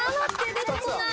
出てこない！